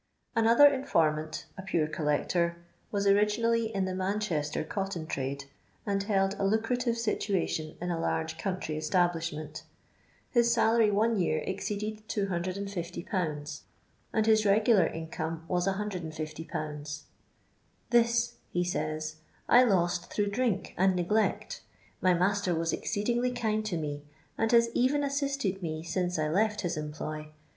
Another infrttmunt, a Pure collector, was ori ginally in the Manchester cotton trade, and hold a lucrative situation in a large country establish ment. His salary one year exceeded 250/., and ; his regular income was 150/. "This "he says, " I lost through drink and neglect Hy master was exceedingly kiAd to me, and haa even asdstbd me since J left his employ.